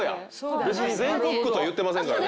別に全国区とは言ってませんからね。